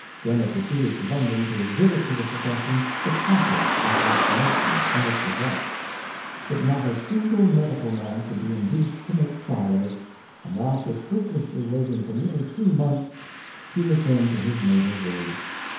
Jenner proceeded to London to exhibit to the profession the process of vacci nation and its results; but not a single medical man could be induced to make trial of it, and after fruitlessly wait ing for nearly three months, he returned to his native village.